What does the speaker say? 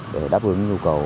để đáp ứng yêu cầu